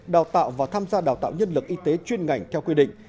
đào tạo và tham gia đào tạo nhân lực y tế chuyên ngành theo quy định